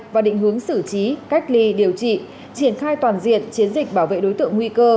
và định hướng xử trí cách ly điều trị triển khai toàn diện chiến dịch bảo vệ đối tượng nguy cơ